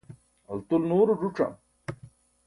altul nuuro ẓuc̣am